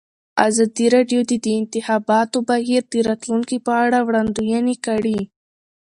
ازادي راډیو د د انتخاباتو بهیر د راتلونکې په اړه وړاندوینې کړې.